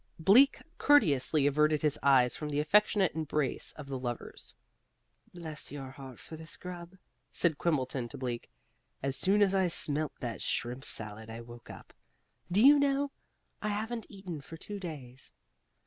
Bleak courteously averted his eyes from the affectionate embrace of the lovers. "Bless your heart for this grub," said Quimbleton to Bleak. "As soon as I smelt that shrimp salad I woke up. Do you know, I haven't eaten for two days."